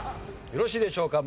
よろしいでしょうか。